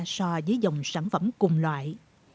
so với dòng sản phẩm cùng loại